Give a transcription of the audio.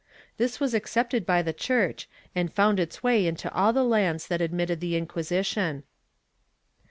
This was accepted by the Church and found its way into all the lands that admitted the Inquisition.